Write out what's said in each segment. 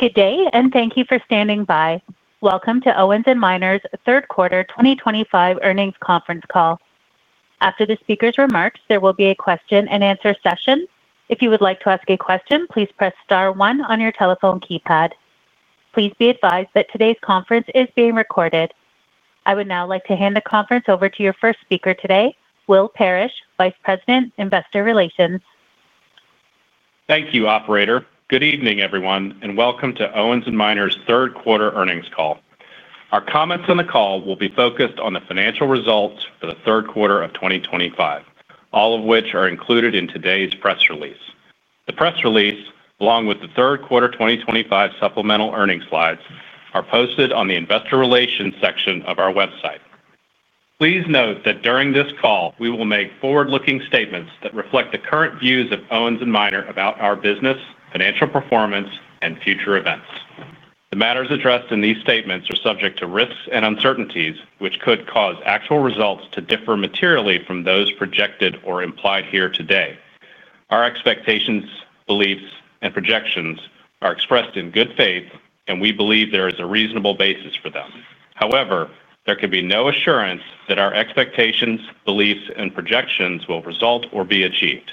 Good day, and thank you for standing by. Welcome to Owens & Minor's third quarter 2025 earnings conference call. After the speaker's remarks, there will be a question-and-answer session. If you would like to ask a question, please press star one on your telephone keypad. Please be advised that today's conference is being recorded. I would now like to hand the conference over to your first speaker today, Will Parrish, Vice President, Investor Relations. Thank you, Operator. Good evening, everyone, and welcome to Owens & Minor's third quarter earnings call. Our comments on the call will be focused on the financial results for the third quarter of 2025, all of which are included in today's press release. The press release, along with the third quarter 2025 supplemental earnings slides, are posted on the Investor Relations section of our website. Please note that during this call, we will make forward-looking statements that reflect the current views of Owens & Minor about our business, financial performance, and future events. The matters addressed in these statements are subject to risks and uncertainties, which could cause actual results to differ materially from those projected or implied here today. Our expectations, beliefs, and projections are expressed in good faith, and we believe there is a reasonable basis for them. However, there can be no assurance that our expectations, beliefs, and projections will result or be achieved.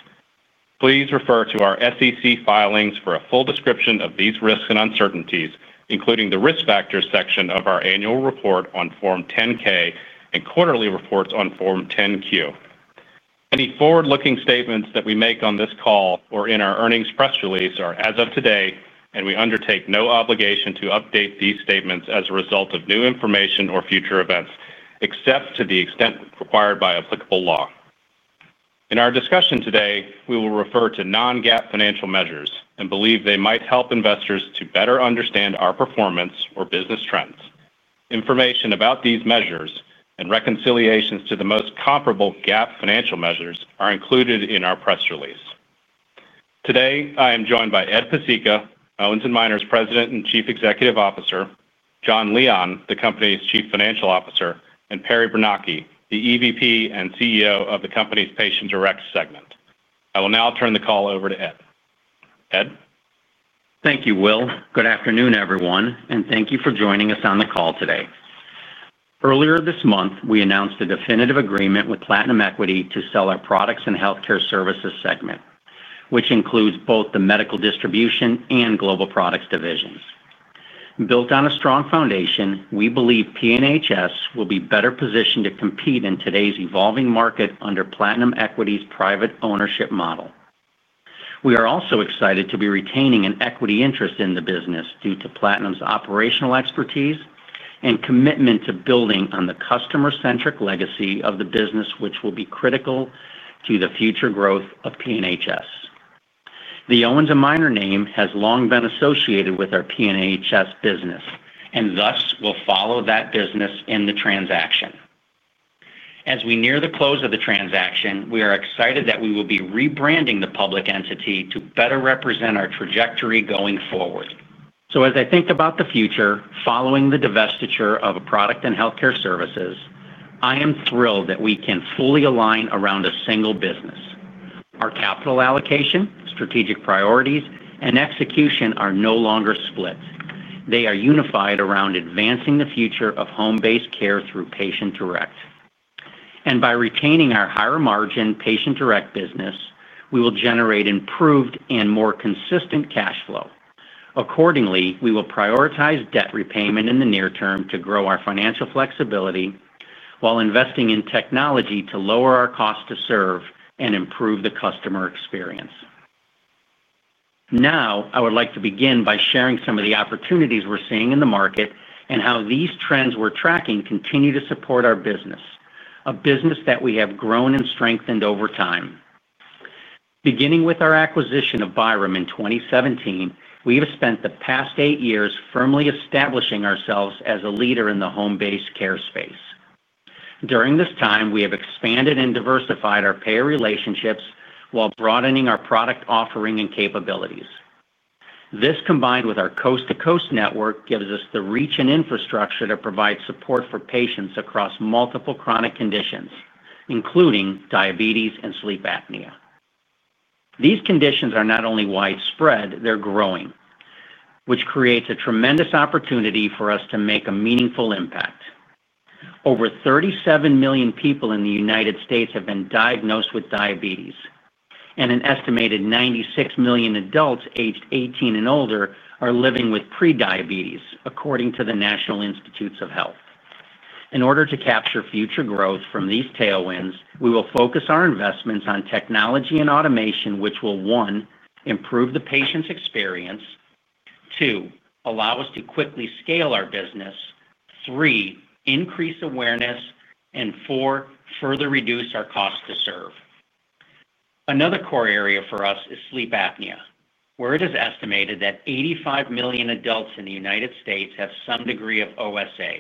Please refer to our SEC filings for a full description of these risks and uncertainties, including the risk factors section of our annual report on Form 10-K and quarterly reports on Form 10-Q. Any forward-looking statements that we make on this call or in our earnings press release are as of today, and we undertake no obligation to update these statements as a result of new information or future events, except to the extent required by applicable law. In our discussion today, we will refer to non-GAAP financial measures and believe they might help investors to better understand our performance or business trends. Information about these measures and reconciliations to the most comparable GAAP financial measures are included in our press release. Today, I am joined by Ed Pesicka, Owens & Minor's President and Chief Executive Officer; Jon Leon, the company's Chief Financial Officer; and Perry Bernocchi, the EVP and CEO of the company's Patient Direct segment. I will now turn the call over to Ed. Ed. Thank you, Will. Good afternoon, everyone, and thank you for joining us on the call today. Earlier this month, we announced a definitive agreement with Platinum Equity to sell our Products and Healthcare Services segment, which includes both the medical distribution and global products divisions. Built on a strong foundation, we believe P&HS will be better positioned to compete in today's evolving market under Platinum Equity's private ownership model. We are also excited to be retaining an equity interest in the business due to Platinum's operational expertise and commitment to building on the customer-centric legacy of the business, which will be critical to the future growth of P&HS. The Owens & Minor name has long been associated with our P&HS business and thus will follow that business in the transaction. As we near the close of the transaction, we are excited that we will be rebranding the public entity to better represent our trajectory going forward. As I think about the future following the divestiture of Products and Healthcare Services, I am thrilled that we can fully align around a single business. Our capital allocation, strategic priorities, and execution are no longer split. They are unified around advancing the future of home-based care through Patient Direct. By retaining our higher-margin Patient Direct business, we will generate improved and more consistent cash flow. Accordingly, we will prioritize debt repayment in the near term to grow our financial flexibility while investing in technology to lower our cost to serve and improve the customer experience. Now, I would like to begin by sharing some of the opportunities we're seeing in the market and how these trends we're tracking continue to support our business, a business that we have grown and strengthened over time. Beginning with our acquisition of Byram in 2017, we have spent the past eight years firmly establishing ourselves as a leader in the home-based care space. During this time, we have expanded and diversified our payer relationships while broadening our product offering and capabilities. This, combined with our coast-to-coast network, gives us the reach and infrastructure to provide support for patients across multiple chronic conditions, including diabetes and sleep apnea. These conditions are not only widespread, they're growing, which creates a tremendous opportunity for us to make a meaningful impact. Over 37 million people in the United States have been diagnosed with diabetes, and an estimated 96 million adults aged 18 and older are living with pre-diabetes, according to the National Institutes of Health. In order to capture future growth from these tailwinds, we will focus our investments on technology and automation, which will, one, improve the patient's experience, two, allow us to quickly scale our business, three, increase awareness, and four, further reduce our cost to serve. Another core area for us is sleep apnea, where it is estimated that 85 million adults in the United States have some degree of OSA,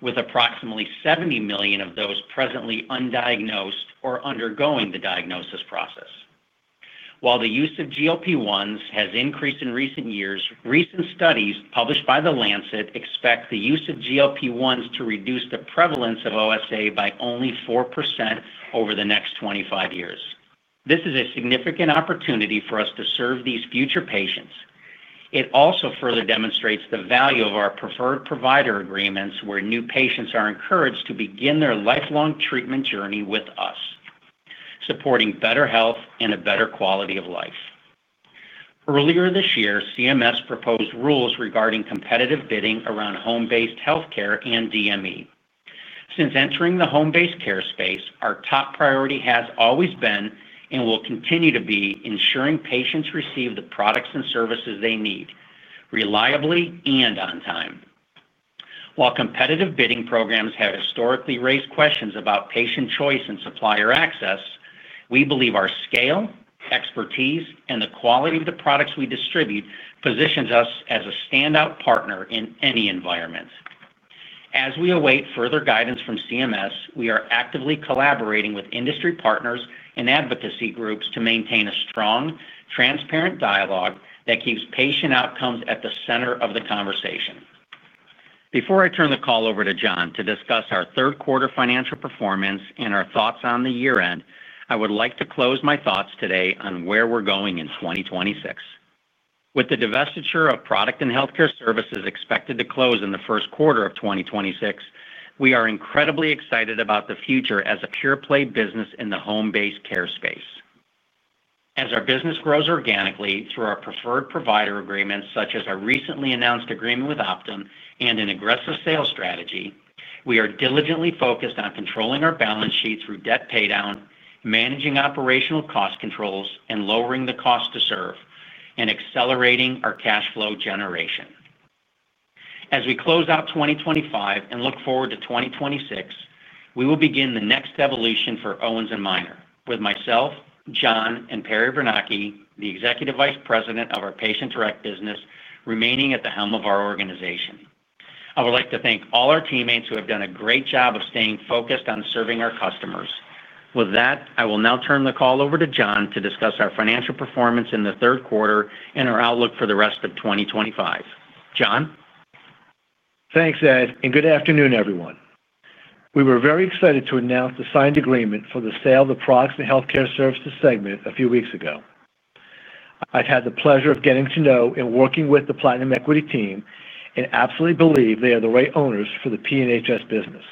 with approximately 70 million of those presently undiagnosed or undergoing the diagnosis process. While the use of GLP-1s has increased in recent years, recent studies published by The Lancet expect the use of GLP-1s to reduce the prevalence of OSA by only 4% over the next 25 years. This is a significant opportunity for us to serve these future patients. It also further demonstrates the value of our preferred provider agreements, where new patients are encouraged to begin their lifelong treatment journey with us, supporting better health and a better quality of life. Earlier this year, CMS proposed rules regarding competitive bidding around home-based healthcare and DME. Since entering the home-based care space, our top priority has always been and will continue to be ensuring patients receive the products and services they need reliably and on time. While competitive bidding programs have historically raised questions about patient choice and supplier access, we believe our scale, expertise, and the quality of the products we distribute positions us as a standout partner in any environment. As we await further guidance from CMS, we are actively collaborating with industry partners and advocacy groups to maintain a strong, transparent dialogue that keeps patient outcomes at the center of the conversation. Before I turn the call over to Jon to discuss our third quarter financial performance and our thoughts on the year-end, I would like to close my thoughts today on where we're going in 2026. With the divestiture of Products and Healthcare Services expected to close in the first quarter of 2026, we are incredibly excited about the future as a pure-play business in the home-based care space. As our business grows organically through our preferred provider agreements, such as our recently announced agreement with Optum and an aggressive sales strategy, we are diligently focused on controlling our balance sheet through debt paydown, managing operational cost controls, lowering the cost to serve, and accelerating our cash flow generation. As we close out 2025 and look forward to 2026, we will begin the next evolution for Owens & Minor with myself, Jon, and Perry Bernocchi, the Executive Vice President of our Patient Direct business, remaining at the helm of our organization. I would like to thank all our teammates who have done a great job of staying focused on serving our customers. With that, I will now turn the call over to Jon to discuss our financial performance in the third quarter and our outlook for the rest of 2025. Jon. Thanks, Ed, and good afternoon, everyone. We were very excited to announce the signed agreement for the sale of the Products and Healthcare Services segment a few weeks ago. I've had the pleasure of getting to know and working with the Platinum Equity team and absolutely believe they are the right owners for the P&HS business.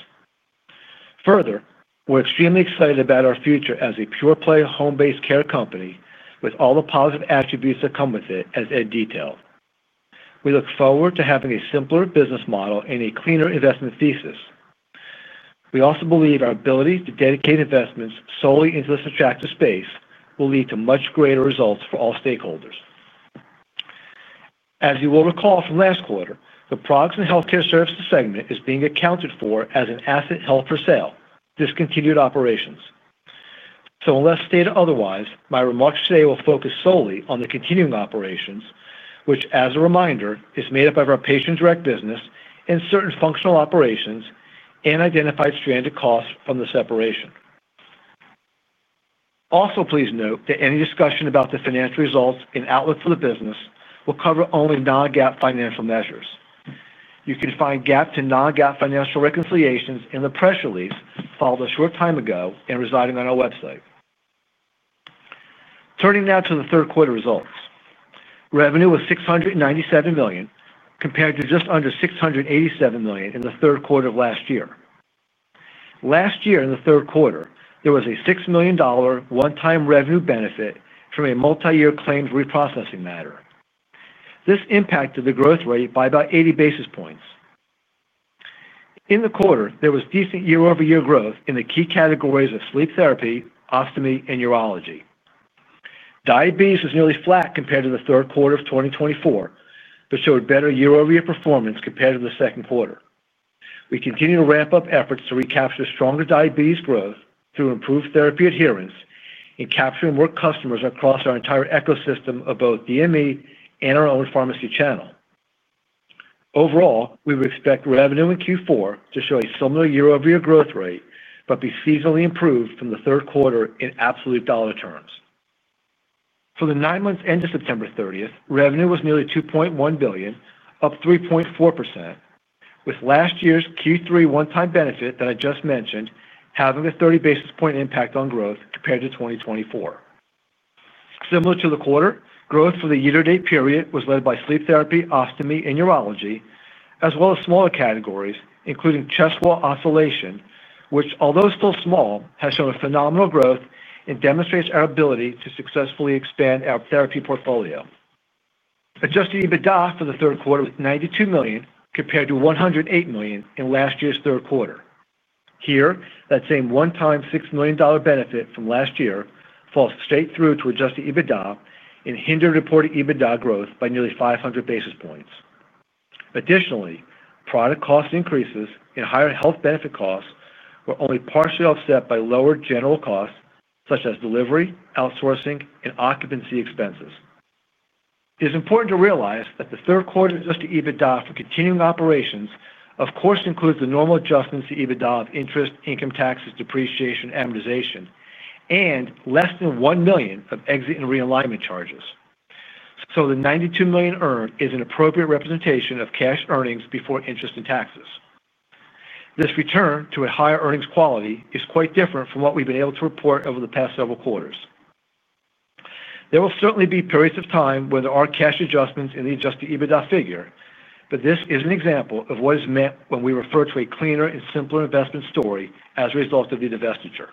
Further, we're extremely excited about our future as a pure-play home-based care company with all the positive attributes that come with it, as Ed detailed. We look forward to having a simpler business model and a cleaner investment thesis. We also believe our ability to dedicate investments solely into this attractive space will lead to much greater results for all stakeholders. As you will recall from last quarter, the Products and Healthcare Services segment is being accounted for as an asset held for sale, discontinued operations. Unless stated otherwise, my remarks today will focus solely on the continuing operations, which, as a reminder, is made up of our Patient Direct business and certain functional operations and identified stranded costs from the separation. Also, please note that any discussion about the financial results and outlook for the business will cover only non-GAAP financial measures. You can find GAAP to non-GAAP financial reconciliations in the press release filed a short time ago and residing on our website. Turning now to the third quarter results. Revenue was $697 million compared to just under $687 million in the third quarter of last year. Last year, in the third quarter, there was a $6 million one-time revenue benefit from a multi-year claims reprocessing matter. This impacted the growth rate by about 80 basis points. In the quarter, there was decent year-over-year growth in the key categories of sleep therapy, ostomy, and urology. Diabetes was nearly flat compared to the third quarter of 2024, but showed better year-over-year performance compared to the second quarter. We continue to ramp up efforts to recapture stronger diabetes growth through improved therapy adherence and capturing more customers across our entire ecosystem of both DME and our own pharmacy channel. Overall, we would expect revenue in Q4 to show a similar year-over-year growth rate, but be seasonally improved from the third quarter in absolute dollar terms. For the nine months ended September 30th, revenue was nearly $2.1 billion, up 3.4%, with last year's Q3 one-time benefit that I just mentioned having a 30 basis point impact on growth compared to 2024. Similar to the quarter, growth for the year-to-date period was led by sleep therapy, ostomy, and urology, as well as smaller categories, including chest wall oscillation, which, although still small, has shown phenomenal growth and demonstrates our ability to successfully expand our therapy portfolio. Adjusted EBITDA for the third quarter was $92 million compared to $108 million in last year's third quarter. Here, that same one-time $6 million benefit from last year falls straight through to adjusted EBITDA and hindered reported EBITDA growth by nearly 500 basis points. Additionally, product cost increases and higher health benefit costs were only partially offset by lower general costs such as delivery, outsourcing, and occupancy expenses. It is important to realize that the third quarter adjusted EBITDA for continuing operations, of course, includes the normal adjustments to EBITDA of interest, income taxes, depreciation, amortization, and less than $1 million of exit and realignment charges. The $92 million earned is an appropriate representation of cash earnings before interest and taxes. This return to a higher earnings quality is quite different from what we've been able to report over the past several quarters. There will certainly be periods of time when there are cash adjustments in the adjusted EBITDA figure, but this is an example of what is meant when we refer to a cleaner and simpler investment story as a result of the divestiture.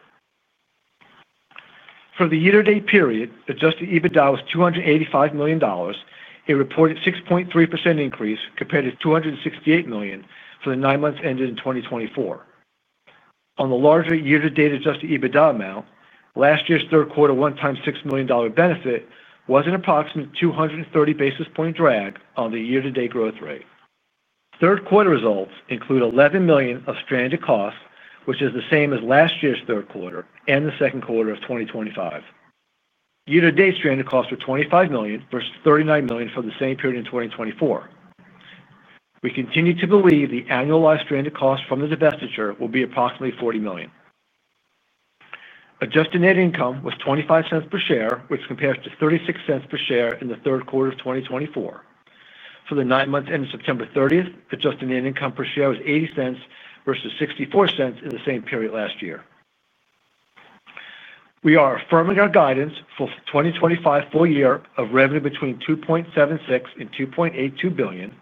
For the year-to-date period, adjusted EBITDA was $285 million, a reported 6.3% increase compared to $268 million for the nine months ended in 2024. On the larger year-to-date adjusted EBITDA amount, last year's third quarter one-time $6 million benefit was an approximate 230 basis point drag on the year-to-date growth rate. Third quarter results include $11 million of stranded costs, which is the same as last year's third quarter and the second quarter of 2025. Year-to-date stranded costs were $25 million versus $39 million for the same period in 2024. We continue to believe the annualized stranded costs from the divestiture will be approximately $40 million. Adjusted net income was $0.25 per share, which compares to $0.36 per share in the third quarter of 2024. For the nine months ended September 30th, adjusted net income per share was $0.80 versus $0.64 in the same period last year. We are affirming our guidance for 2025 full year of revenue between $2.76 and $2.82 billion,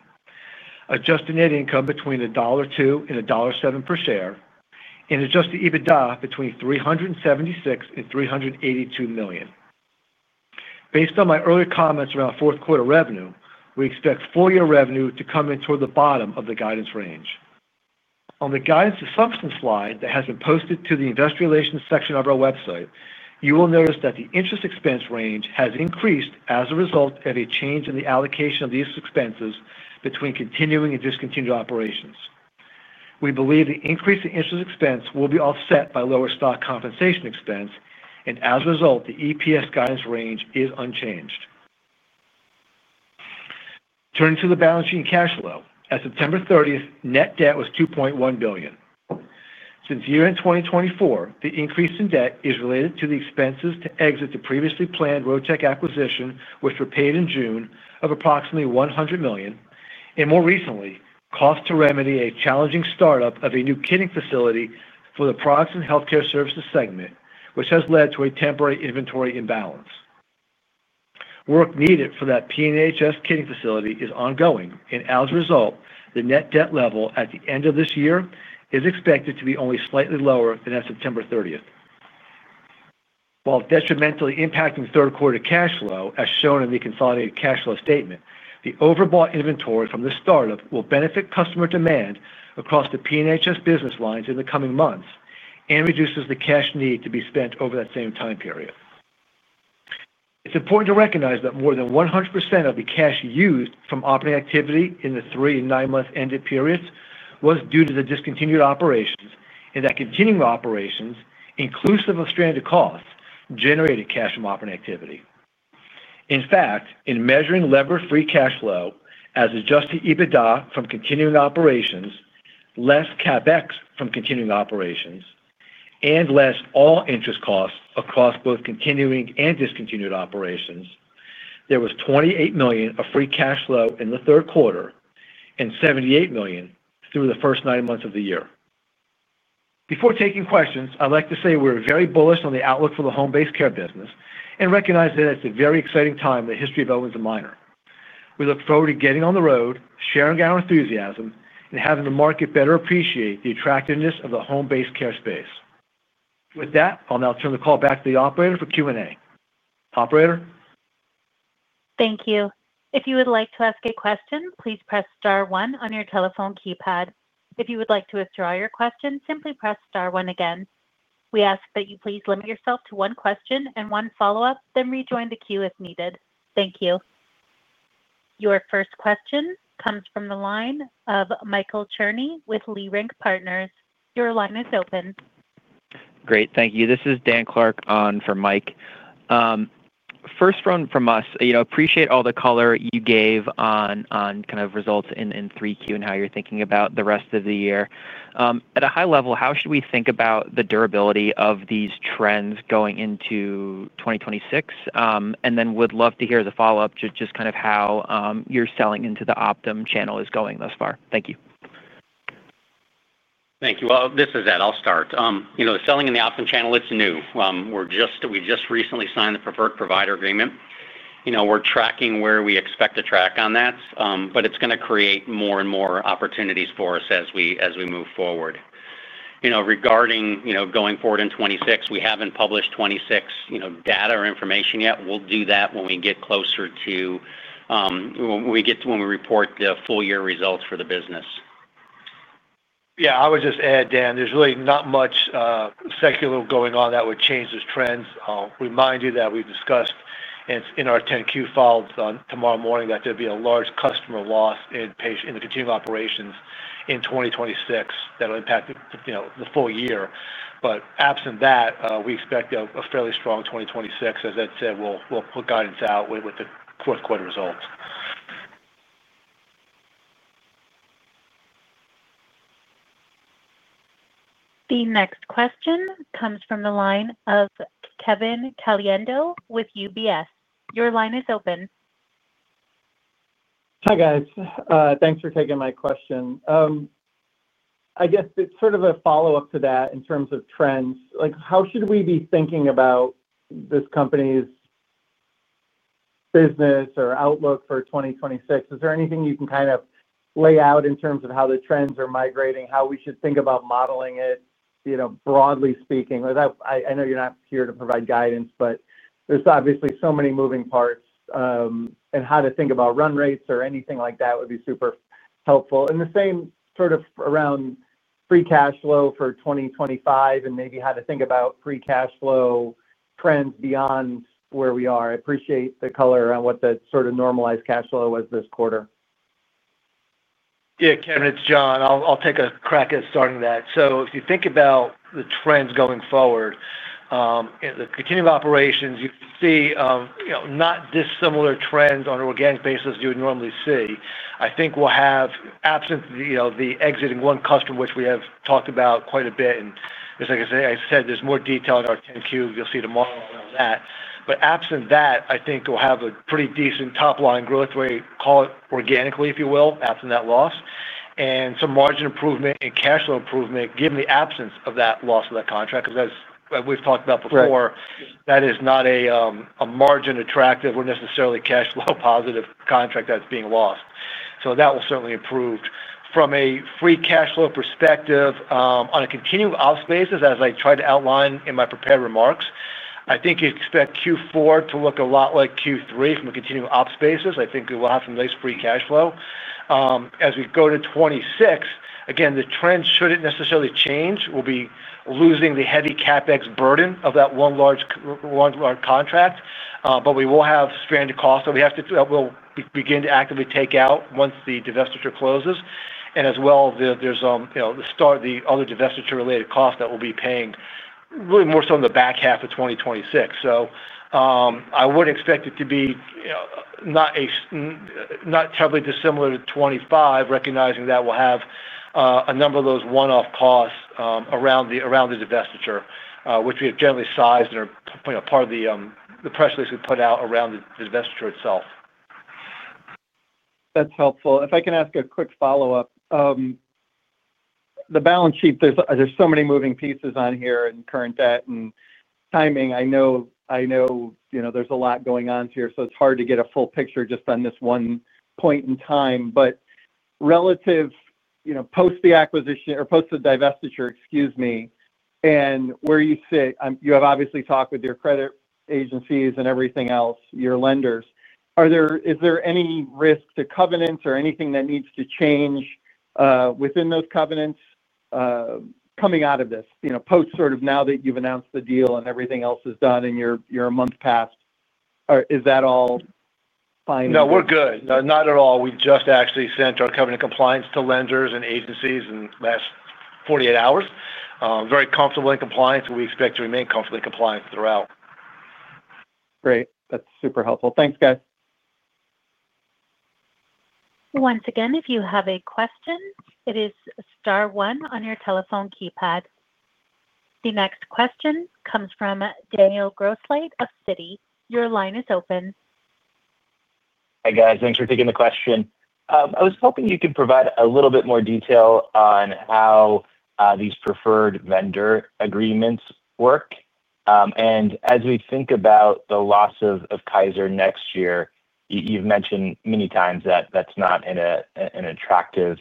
adjusted net income between $1.02 and $1.07 per share, and adjusted EBITDA between $376 and $382 million. Based on my earlier comments around fourth quarter revenue, we expect full year revenue to come in toward the bottom of the guidance range. On the guidance assumption slide that has been posted to the investor relations section of our website, you will notice that the interest expense range has increased as a result of a change in the allocation of these expenses between continuing and discontinued operations. We believe the increase in interest expense will be offset by lower stock compensation expense, and as a result, the EPS guidance range is unchanged. Turning to the balance sheet and cash flow, as of September 30th, net debt was $2.1 billion. Since year-end 2024, the increase in debt is related to the expenses to exit the previously planned Rotech acquisition, which were paid in June of approximately $100 million, and more recently, costs to remedy a challenging startup of a new kitting facility for the Products and Healthcare Services segment, which has led to a temporary inventory imbalance. Work needed for that P&HS kitting facility is ongoing, and as a result, the net debt level at the end of this year is expected to be only slightly lower than at September 30th. While detrimentally impacting third quarter cash flow, as shown in the consolidated cash flow statement, the overbought inventory from the startup will benefit customer demand across the P&HS business lines in the coming months and reduces the cash need to be spent over that same time period. It's important to recognize that more than 100% of the cash used from operating activity in the three and nine months ended periods was due to the discontinued operations and that continuing operations, inclusive of stranded costs, generated cash from operating activity. In fact, in measuring lever-free cash flow as adjusted EBITDA from continuing operations, less CapEx from continuing operations, and less all interest costs across both continuing and discontinued operations, there was $28 million of free cash flow in the third quarter and $78 million through the first nine months of the year. Before taking questions, I'd like to say we're very bullish on the outlook for the home-based care business and recognize that it's a very exciting time in the history of Owens & Minor. We look forward to getting on the road, sharing our enthusiasm, and having the market better appreciate the attractiveness of the home-based care space. With that, I'll now turn the call back to the operator for Q&A. Operator. Thank you. If you would like to ask a question, please press star one on your telephone keypad. If you would like to withdraw your question, simply press star one again. We ask that you please limit yourself to one question and one follow-up, then rejoin the queue if needed. Thank you. Your first question comes from the line of Michael Cherny with Leerink Partners. Your line is open. Great. Thank you. This is Dan Clark on for Mike. First, from us, you know, appreciate all the color you gave on kind of results in 3Q and how you're thinking about the rest of the year. At a high level, how should we think about the durability of these trends going into 2026? Would love to hear as a follow-up just kind of how your selling into the Optum channel is going thus far. Thank you. Thank you. This is Ed. I'll start. The selling in the Optum channel, it's new. We just recently signed the preferred provider agreement. We're tracking where we expect to track on that, but it's going to create more and more opportunities for us as we move forward. Regarding going forward in 2026, we haven't published 2026 data or information yet. We'll do that when we get closer to when we report the full year results for the business. Yeah, I would just add, Dan, there's really not much secular going on that would change those trends. I'll remind you that we've discussed in our 10-Q files on tomorrow morning that there'll be a large customer loss in continuing operations in 2026 that'll impact, you know, the full year. Absent that, we expect a fairly strong 2026. As Ed said, we'll put guidance out with the fourth quarter results. The next question comes from the line of Kevin Caliendo with UBS. Your line is open. Hi, guys. Thanks for taking my question. I guess it's sort of a follow-up to that in terms of trends. How should we be thinking about this company's business or outlook for 2026? Is there anything you can kind of lay out in terms of how the trends are migrating, how we should think about modeling it, you know, broadly speaking? I know you're not here to provide guidance, but there's obviously so many moving parts. How to think about run rates or anything like that would be super helpful. The same sort of around free cash flow for 2025 and maybe how to think about free cash flow trends beyond where we are. I appreciate the color around what that sort of normalized cash flow was this quarter. Yeah, Kevin, it's Jon. I'll take a crack at starting that. If you think about the trends going forward, the continuing operations, you can see not dissimilar trends on an organic basis you would normally see. I think we'll have, absent the exiting one customer, which we have talked about quite a bit, and just like I said, there's more detail in our 10Q. You'll see tomorrow around that. Absent that, I think we'll have a pretty decent top-line growth rate, call it organically, if you will, absent that loss, and some margin improvement and cash flow improvement given the absence of that loss of that contract, because as we've talked about before, that is not a margin-attractive or necessarily cash flow-positive contract that's being lost. That will certainly improve. From a free cash flow perspective, on a continuing ops basis, as I tried to outline in my prepared remarks, I think you expect Q4 to look a lot like Q3 from a continuing ops basis. I think we'll have some nice free cash flow. As we go to 2026, again, the trend shouldn't necessarily change. We'll be losing the heavy CapEx burden of that one large contract, but we will have stranded costs that we have to do that we'll begin to actively take out once the divestiture closes. As well, there's the start of the other divestiture-related costs that we'll be paying really more so in the back half of 2026. I would expect it to be not terribly dissimilar to 2025, recognizing that we'll have a number of those one-off costs around the divestiture, which we have generally sized and are part of the press release we put out around the divestiture itself. That's helpful. If I can ask a quick follow-up. The balance sheet, there's so many moving pieces on here and current debt and timing. I know there's a lot going on here, so it's hard to get a full picture just on this one point in time. Relative, you know, post the acquisition or post the divestiture, excuse me, and where you sit, you have obviously talked with your credit agencies and everything else, your lenders. Is there any risk to covenants or anything that needs to change within those covenants? Coming out of this, you know, now that you've announced the deal and everything else is done and you're a month past, is that all fine? No, we're good. Not at all. We've just actually sent our covenant compliance to lenders and agencies in the last 48 hours. Very comfortable in compliance, and we expect to remain comfortably compliant throughout. Great. That's super helpful. Thanks, guys. Once again, if you have a question, it is star one on your telephone keypad. The next question comes from Daniel Grosslight of Citi. Your line is open. Hi, guys. Thanks for taking the question. I was hoping you could provide a little bit more detail on how these preferred provider agreements work. As we think about the loss of Kaiser next year, you've mentioned many times that that's not an attractive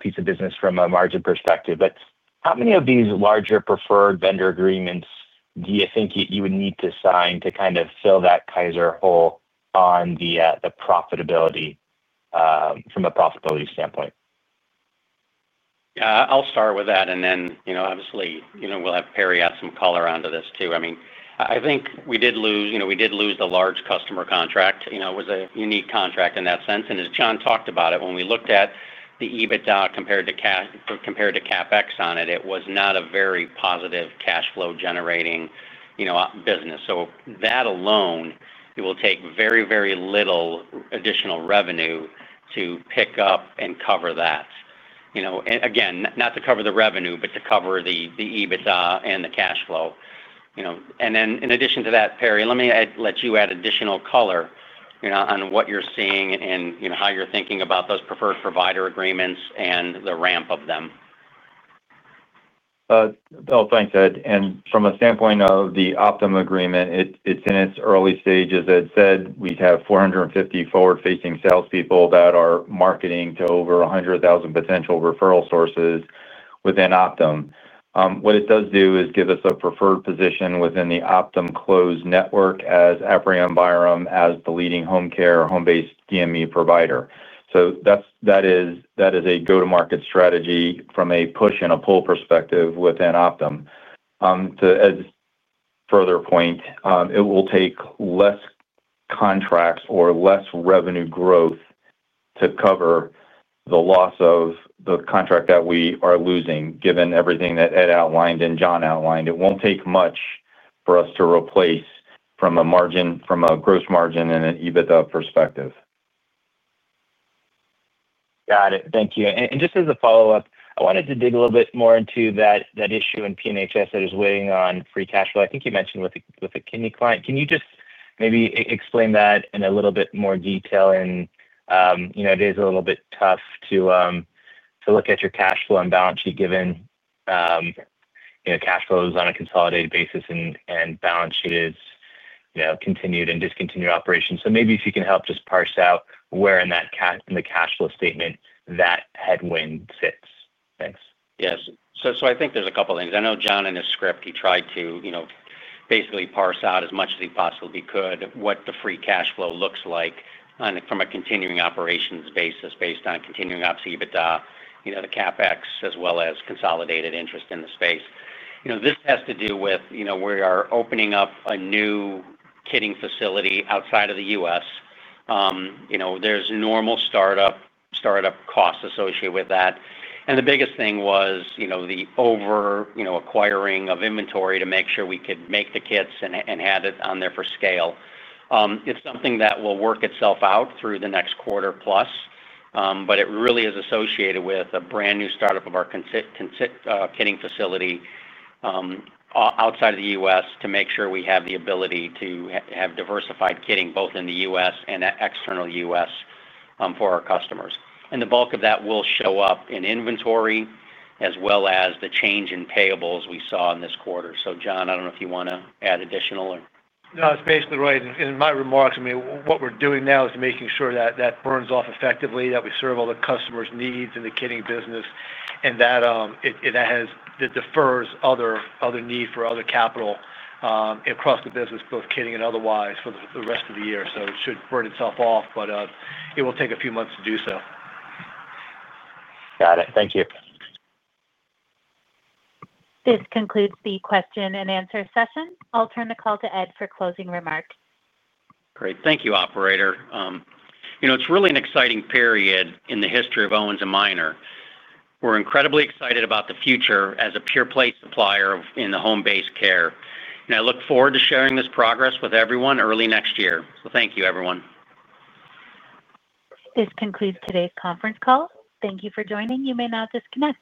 piece of business from a margin perspective. How many of these larger preferred provider agreements do you think you would need to sign to kind of fill that Kaiser hole on the profitability from a profitability standpoint? Yeah, I'll start with that. Obviously, we'll have Perry have some color onto this too. I think we did lose, you know, we did lose the large customer contract. It was a unique contract in that sense. As Jon talked about it, when we looked at the EBITDA compared to CapEx on it, it was not a very positive cash flow-generating business. That alone, it will take very, very little additional revenue to pick up and cover that. Again, not to cover the revenue, but to cover the EBITDA and the cash flow. In addition to that, Perry, let me let you add additional color on what you're seeing and how you're thinking about those preferred provider agreements and the ramp of them. Thanks, Ed. From a standpoint of the Optum agreement, it's in its early stages, as Ed said. We have 450 forward-facing salespeople that are marketing to over 100,000 potential referral sources within Optum. What it does do is give us a preferred position within the Optum closed network as Owens & Minor as the leading home care or home-based DME provider. That is a go-to-market strategy from a push and a pull perspective within Optum. To Ed's further point, it will take less contracts or less revenue growth to cover the loss of the contract that we are losing, given everything that Ed outlined and Jon outlined. It won't take much for us to replace from a margin, from a gross margin and an adjusted EBITDA perspective. Got it. Thank you. Just as a follow-up, I wanted to dig a little bit more into that issue in P&HS that is waiting on free cash flow. I think you mentioned with a kidney client. Can you just maybe explain that in a little bit more detail? It is a little bit tough to look at your cash flow and balance sheet given cash flows on a consolidated basis and balance sheet is continued and discontinued operations. Maybe if you can help just parse out where in that cash flow statement that headwind sits. Thanks. Yes. I think there's a couple of things. I know Jon, in his script, he tried to basically parse out as much as he possibly could what the free cash flow looks like from a continuing operations basis based on continuing ops EBITDA, the CapEx, as well as consolidated interest in the space. This has to do with opening up a new kitting facility outside of the U.S. There are normal startup costs associated with that. The biggest thing was the over acquiring of inventory to make sure we could make the kits and have it on there for scale. It's something that will work itself out through the next quarter plus, but it really is associated with a brand new startup of our kitting facility outside of the U.S. to make sure we have the ability to have diversified kitting both in the U.S. and external U.S. for our customers. The bulk of that will show up in inventory as well as the change in payables we saw in this quarter. Jon, I don't know if you want to add additional or. No, it's basically right. In my remarks, I mean, what we're doing now is making sure that that burns off effectively, that we serve all the customers' needs in the kitting business, and that defers other need for other capital across the business, both kitting and otherwise for the rest of the year. It should burn itself off, but it will take a few months to do so. Got it. Thank you. This concludes the question-and-answer session. I'll turn the call to Ed for closing remarks. Great. Thank you, Operator. You know, it's really an exciting period in the history of Owens & Minor. We're incredibly excited about the future as a pure play supplier in the home-based care. I look forward to sharing this progress with everyone early next year. Thank you, everyone. This concludes today's conference call. Thank you for joining. You may now disconnect.